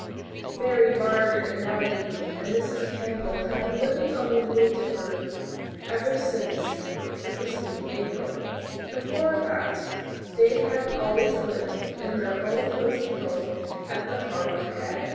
Mary Margaret and Nellie and Mrs. Campbell had been living on the Little Dipper ever since the preceding April. Before that they had always lived in their own cosy home at the Harbour Head.